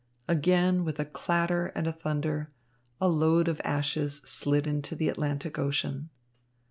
Again, with a clatter and a thunder, a load of ashes slid into the Atlantic Ocean.